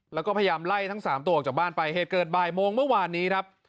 แล้วก็พยายามไล่ทั้งสามตัวออกจากบ้านไปเหตุเกิดบ่ายโมงเมื่อวานนี้ครับ